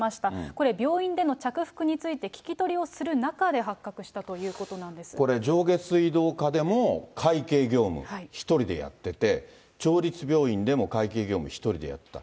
これ病院での着服について聞き取りをする中で、発覚したというここれ、上下水道課でも、会計業務、１人でやってて、町立病院でも会計業務、１人でやってた。